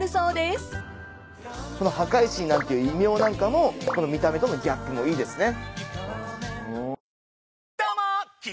その破壊神なんていう異名なんかもこの見た目とのギャップもいいですね。